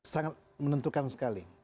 sangat menentukan sekali